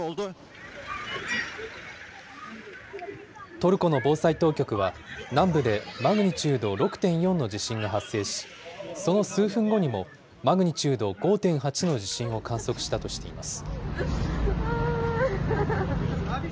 トルコの防災当局は、南部でマグニチュード６．４の地震が発生し、その数分後にも、マグニチュード５．８の地震を観測したとしています。